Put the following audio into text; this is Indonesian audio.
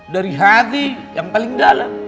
dari hati yang paling dalam